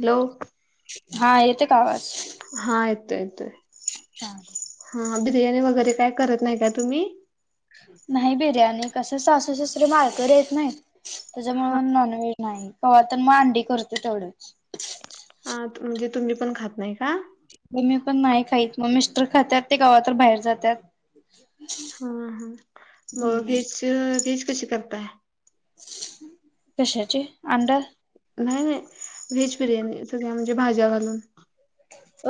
Hello. हा येते का आवाज. हा आयतयतय. हा. हा बिर्याणी वगैरे काय करत नाही का तुम्ही. नाही बिर्याणी कस सासू सासर मारकर येत नाहीत त्याच्यामुळे नॉनवहेज. नाही क्हा तर मग अंडी करते तेथोढंच. आ म्हणजे तुम्ही पण खात नाही का ते मी पण नाही खात मग मिस्टर खातात ते गावात बाहेर जातात हम हम म हम्म भेज भेज कशी करताय कशाची अंडल नाही नाही व्हेज बिर्याणीथ्या म्हणजे भाज्या घालून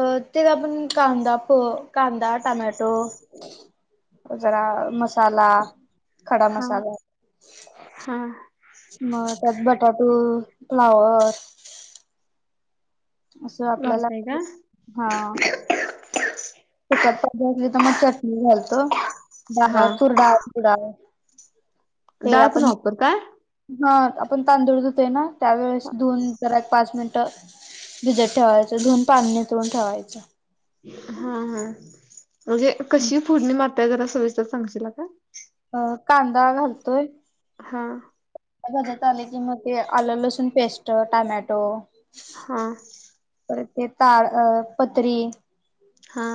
अ ते का आपण कांदा प कांदा टमॅटो जरा मसाला खडा हा मसाला हा मग त्यात बटाटो फ्लावर असं आपल्याला वालताय का हा तिखट तर मग चटणी घालतो हा डाळ चुर डाळ ड ते डाळ पण आपण वापरताय हा आपण तांदूळधतोय ना त्यावेेळेस धुन जरा एक पाच मिनिटं भिजत ठेवायचं धुून पाणी तुळून ठेवायचं हा हा म्हणजे कशी फोडणी मारताय जरा सविस्तर सांगशीलील का अ कांदा घालतोय हा भाजत आले की मग ते आलं लसूण पेस्ट टोमॅटो हा तर ते ताळ अ पतरी हा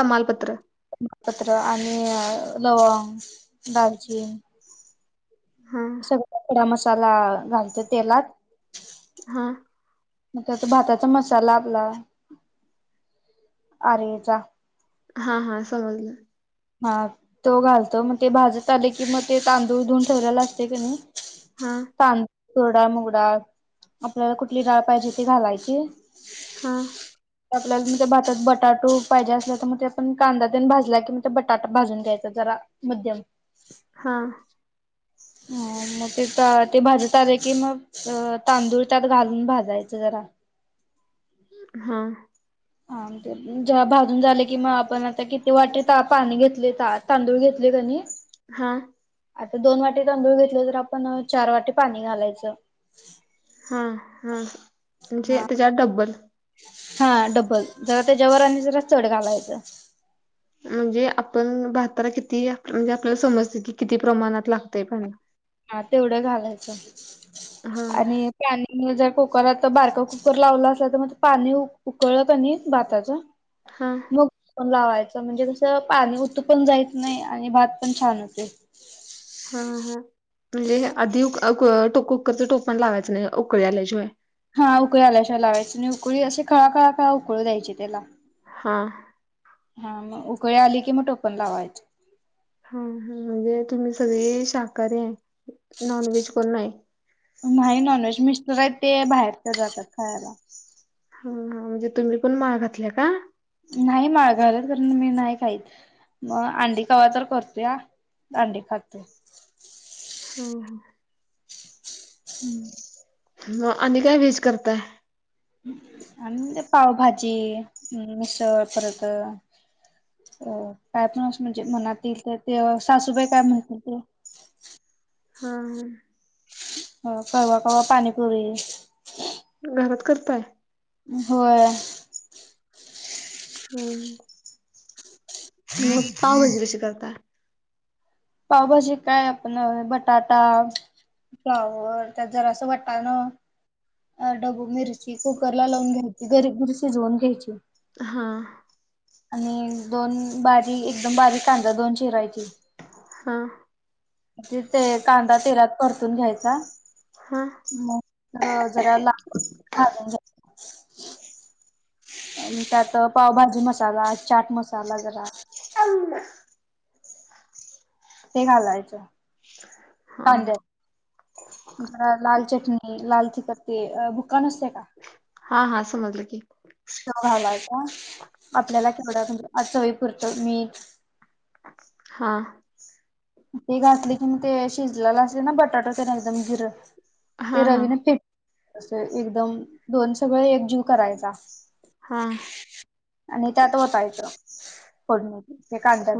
तमालपत्र पत्र आणि लवंग दालचीन हा सगळ खडा मसाला घालते तेलात हा मग त्याचा भाताचा मसाला आपला अरेचा हा हा समजलं हा तो घालतो मग ते भाजत आले की मग ते तांदूळधून ठेवयला असते की नाही. हा तांद तुरडाळ मुगडाळ आपल्याला कुठली डाळ पाहिजे ती घालायची. हां आपल्याला म त्या भातात बटाटू पाहिजे असल्या तर मग ते पण कांदा तेन भाजला की बटाटा भाजून घ्यायचा जरा मध्यम हा ह मग ते ते भाजत आले की मग तांदूळ त्यात घालून भाजायचं जरा हा हाे ज्या भाजून झाले किं आपण आता किती वाटे त पाणी घेतले त तांदूळ घेतले का नई हा आता दोन वाटी तांदूळ घेतले तर आपण चार वाटी पाणी घालायचं. हा हा म्हणजे हा त्याच्या डब्बल हा डबल जरा त्याच्यावर आणि जरा चड घालायचं म्हणजे आपण भहातार किती म्हणजे आपल्याला समजते की किती प्रमाणात लागतय पाणी हा तेवढं घालायचं हा आणि पाणी जर कुकरात बारका कुकर लावलं असल तर मग पाणी उकळत की नी भाताचं हा मग लावायच म्हणजे कसं पाणी तं पण जायच नाही आणि भात पण छान होते. हा हा म्हणजे आधी टो कुकरचं टोपण लावायचं नाही उकळी आल्याशिवाय हा उकळी आल्याशिवाय लावायचे आणि उकळी असे खळाखळा काळा उकळीू द्यायचे त्याला हा हा मग उकळे आली की मग टोपन लावायचे हा हा म्हणजे तुम्ही सगळी शाकाहारी आहे, नॉन व्हेज कोण नाही. नाही नॉनव्हेज मिस्टर आहेत ते बाहेरचे जातात खायाला ह म्हणजे तुम्ही पण माळ घातल्या का? नाही माळ घालत खरं मी नाही खाईत. मग अंडी कवा तर करते अंडी खातोय. हा हा हम्म मग आणि काय व्हेज करताय आणि म्हणजे पावभाजी मिसळ परत अ काय पण असं म्हणजे मनात येईल तर ते सासूबाई काय म्हणतील ते हा ह कवा कवा पाणीपुरी घरात करताय. होय ह मग पावभाजी कशी करता? पावभाजी काय आपण बटाटा फ्लावर त्यात जरासं वाटाणं अ डबू मिरची कुकरला लावून घ्यायची गरीमिरी शिजवून घ्यायची. हा. आणि दोन बारी एकदम बारीक कांदा दोन चिरायची. हां. ती ते कांदा तेलात परतून घ्यायचा म अ जरा लाल भाजून घ्यायचं. आणि त्यात पावभाजी मसाला चाट मसाला जरा हा ते घालायचं. हा. कांद्यात जरा लाल चटणी लाल तिखट ते अ बुक्का नसतोय का? हा हा समजलं की तो घालायचा आपल्याला केवढं म्हणजे चवीपुरतं मीठ हा. ते घातले की म ते शिजलेला असते ना बटाटा त्यान एकदम जिरं ते हां, हां. रवीने फेट अस एकदम दोन सगळे एकजीव करायचा. हां. आणि त्यात ओतायचं फोडणीत त्या कांद्यात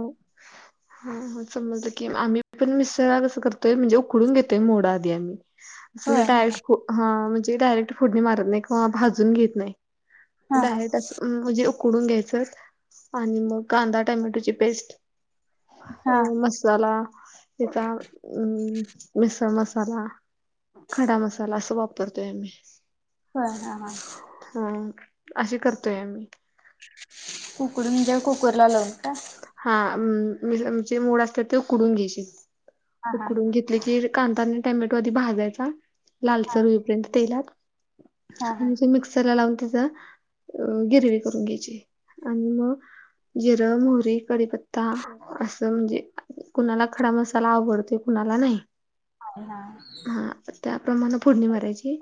हां, हो समजलं की आम्ही पण मिसळला कंसं करतोय म्हणजे उकडून घेतोय मोडं आधी आम्ही असं म्हणजे होय डायरेक्ट ह म्हणजे डायरेक्ट फोडणी मारत नाही किंवा भाजून घेत नाही. हा हा डायरेक्ट अस म्हणजे उकडून घ्यायचं आणि मग कांदा टॅमॅटोची पेस्ट अ, हा मसाला तिचा म मिसळ मसाला खडा मसाला असं वापरतोय आम्ही हा हा हा ह अशी करतोय आम्ही उकडून म्हजे कुकरला लावून का हा म्हजे जे मोड असतात ते उकडून घ्यायचे हा हा उकडून घेत घेतलं की कांदा नी टॅमेटो आधी भाजायचा हा लालसर होईपर्यंत तेलात हा हा आणि जे मिक्स मिक्सरला लावून त्याचं गिरवी करून घ्यायची आणि मग अ मोहरी कडीपत्ता असं म्हणजे कुणाला खडा मसाला आवडतोय कुणाला नाही. हाव ना हा त्याप्रमाणे फोडणी मारायची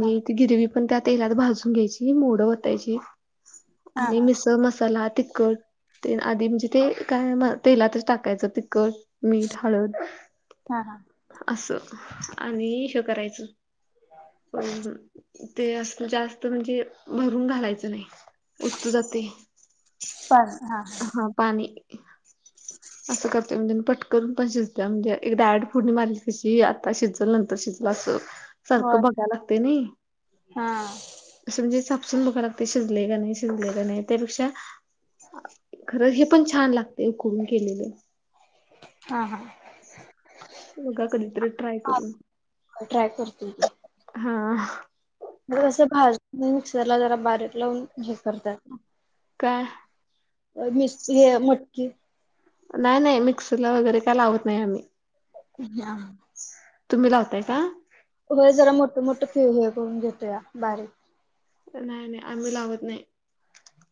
हा ती गिरवी पण त्या तेलात भाजून घ्यायची मोडं वतायची हा आणि हा मिसळ मसाला तिखट ते आधी म्हणजे ते काय म तेलात टाकायचं तिखट मीठ हळद हा हा अस आणि हय करायच पण ते अस जास्त म्हणजे भरून घालायचं नाही. उतू जातंय. चाललं हा हा पाणी अस कर आणि तेन पटकून पण शिजत म्हणजे एक डायरेक्ट फोढणी मारली कशी आता शिजल नंतर शिजलं अस सारखं बर बघाय लागतय नही. हा. असं म्हणजे चापसून बघा लागतय शिजलय का नाही शिजलय का नाही. त्यापेक्षा खरं हे पण छान लागतय उकडून केलेलं. हा हा बघा कधीतरी ट्राय करून ट्राय करतील की हम क भाज मिक्सरला जरा बारीक लावून हे करतात. का मिस् हे मटकी नाही नाही मिक्सरला वगैरे काय लावत नाही. आम्ही ह आ तुम्ही लावताय का? हो जरा मोठं मोठं फेव हे करून घेतो. या बारीक नाही नाही आम्ही लावत नाही.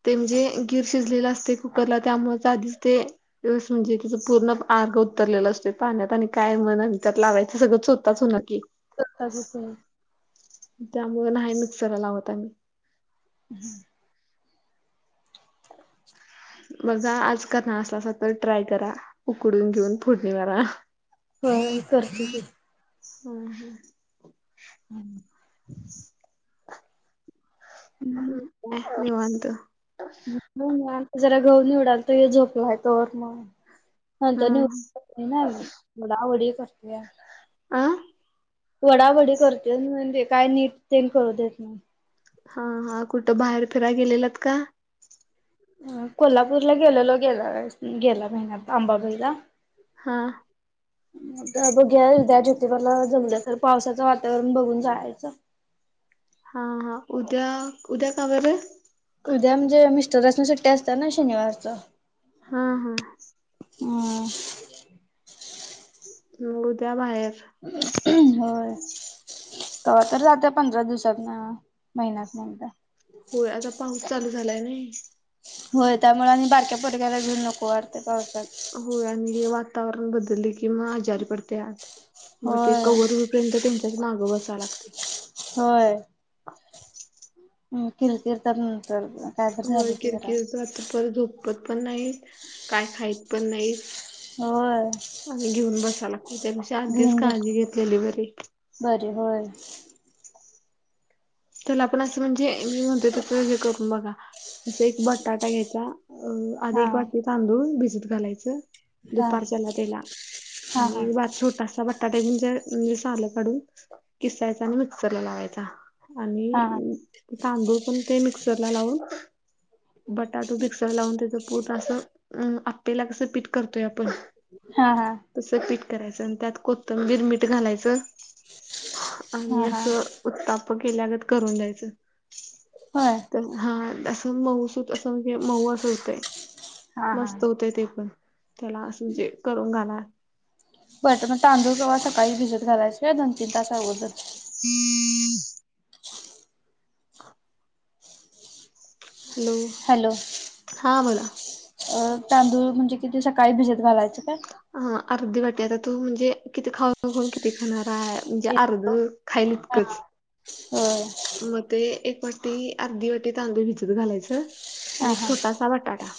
ते म्हणजे गीर शिजलेलं असते कुकरला त्यामुळेच आधीच ते दिवस म्हणजे तिचं पूर्ण अर्ग उतरलेलं असत पाण्यात आणि काय म्हणा त्यात लावायचं सगळं स्वतःच हो न की चोथा होतय त्यामुळें नाही मिक्सर लावत. आम्ही हम्म बघा आज क ना असला अस तर ट्राय करा उकडून घेऊन फोडणी मारा हो करते हो ह हम्म झाले हम्म की निवांत नाही आता जरा गहू निवडाल तर हे झोपला आहे तो वर मग हा नंतर निवडू देत नाही ना मग पुढे पुढे करतो अह वडावडी करते म्हणजे काय नीट ते करळू देत नाही हा हा कुठं बाहेर फिरायला गेलेलात का? कोल्हापूरला गेलेलो. गेला गेला महिन्यात अंबाबाईला हा आता बघ्याद्या ज्योतिबारला जमल्या तर पावसाचं वातावरण बघून जायचं. हा हा उद्या उद्या का वर उद्या म्हणजे मिस्टरचन सुट्टी असतात. ना शनिवारचं हा हा हम म उद्या बाहेर होय त तर जात पंधरा दिवसात ना महिन्यात नंतर होय आता पाऊस चालू झालाय नाही. होय त्यामुळे आणि बारक्या पोडक्याला घेऊन नको वारते्या पावसाात हो आणि वातावरण बदलले कि म आजारी पडते मग ते होय कवर र्यंत त्यांच्याच नागं बसा लागते हम हम्म किलतीिरतर नंतर काय तर हो झालं की जरा किरकिरचा आ तर पर झोपत पण नाहीत काय खायत पण नाहीत होय आणि घेऊन बसायला त्यापेक्षा आधीच काळजी घेतलेली बरी बर होय चला आपण असं म्हणजे मी म्हणतेो तसं करून बघा असं एक बटाटा घ्यायचा अ आधी हा एक वाटी तांदूळ भिजत घालायचं हा दुपारच्याला त्याला हा आणि हा वा छोटा वाट बटाटे म्हणजे सालं काढून किसायच आणि मिक्सर ला लावायचा हा आणि तांदूळ पण ते मिक्सरला लावून बटाटो मिक्सर लावून त्याचं पूर्ण असं अं आपेला कसं पीठ करतोय आपण हा हा तस पीठ करायचं आणि त्यात कोथंबीरमीठ घालायचं हा आणि हा असं उत्ताप केल्यागत करून जायचं हो तर हा असं मऊसूत असं म्हणजे मऊ अस होत आहे हा हा मस्त होतय ते पण त्याला असं म्ह जे करून घाला बरं मग तांदूळ केव्हा सकाळी भिजत घालायच दोन तीन तास अगोदर हम्म हा हॅलो हॅलो हा बोला अ तांदूळ म्हणजे किती सकाळी भिजत घालायचं काय अ अर्धी वाटी आता तू म्हणजे किती खाऊन खाऊन किती खाणार आहे म्हणजे अर्ध खायल इतकंच ह मग ते एक वाटी अर्धी वाटी तांदूळ भिजत घालायचं आणि एक छोटा सवटाडा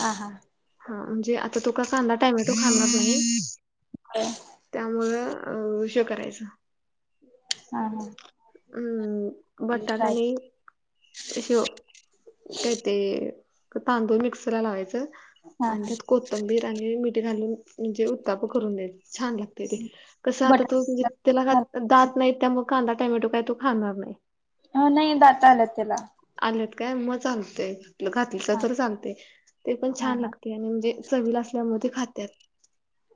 ह हा हा म्हणजे आता तो का खांदा टायमॅटो खांला तुम्ही होय त्यामुळं अ श करायचं हा हा हम्म बटला काय नाही अि काय ते तांदूळ मिक्सला लावायचं हा आणि हा त्यात कोथंबीर आणि मिठी घालून म्हणजे उत्ताप करून द्याेत छान लागते ते कसं आता तू म्हणजे त्याला बटाटा दात नाही त्या मग खांदा टोमॅटो काय तू खाणार नाही हा नाही दाता आला त्याला आल्यात काय मग चालतय घ घातलीच हा तर चालतय ते पण हा छान हा लागते आणि म्हणजे च असल्या खात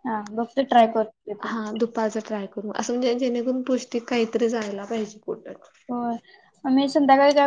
हा बघते ट्राय करते ते पण हा दुपार ट्राय कर असं म्हणजे जेणेकरून पौष्टिक काहीतरी जायला पाहिजे कुठ हो आमही संध्याकाळी का